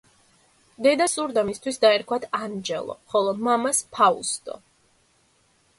დედას სურდა მისთვის დაერქვათ ანჯელო, ხოლო მამას ფაუსტო.